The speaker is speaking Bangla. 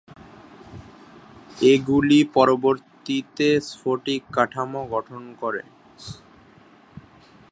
এগুলি পরবর্তীতে স্ফটিক কাঠামো গঠন করে।